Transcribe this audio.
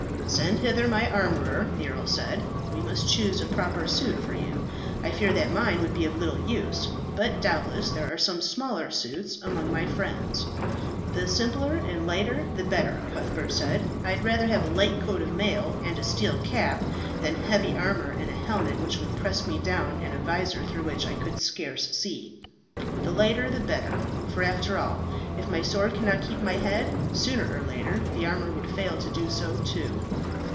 "Send hither my armourer," the earl said; "we must choose a proper suit for you. I fear that mine would be of little use; but doubtless there are some smaller suits among my friends." "The simpler and lighter the better," Cuthbert said. "I'd rather have a light coat of mail and a steel cap, than heavy armour and a helmet that would press me down and a visor through which I could scarcely see. The lighter the better, for after all if my sword cannot keep my head, sooner or later the armour would fail to do so too."